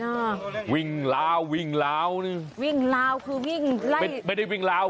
ไม่ใช่วิ่งลาวองย์